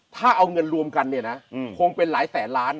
ถ้าเอาเงินรวมกันเนี่ยนะคงเป็นหลายแสนล้าน